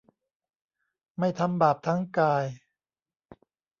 ไม่ทำบาปทั้งกาย